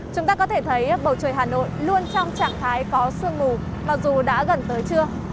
chúng ta có thể thấy bầu trời hà nội luôn trong trạng thái có sương mù mặc dù đã gần tới trưa